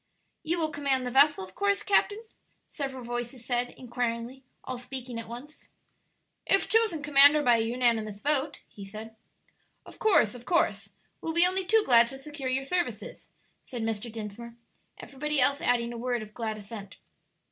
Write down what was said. "You will command the vessel, of course, captain?" several voices said, inquiringly, all speaking at once. "If chosen commander by a unanimous vote," he said. "Of course, of course; we'll be only too glad to secure your services," said Mr. Dinsmore, everybody else adding a word of glad assent.